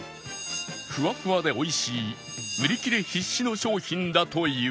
ふわふわで美味しい売り切れ必至の商品だというが